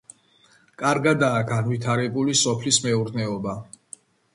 კარგადაა განვითარებული სოფლის მეურნეობა.